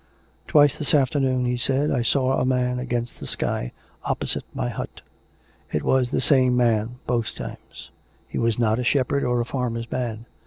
" Twice this afternoon," he said, " I saw a man against the sky, opposite my hut. It was the same man both times ; he was not a shepherd or a farmer's man.